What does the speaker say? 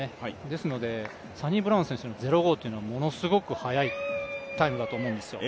ですのでサニブラウン選手の０５というのはものすごく速いタイムだと思うんですよ。